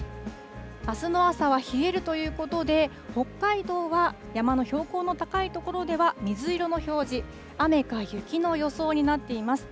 あすの朝は冷えるということで、北海道は山の標高の高い所では水色の表示、雨か雪の予想になっています。